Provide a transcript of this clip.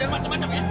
jangan macam macam ya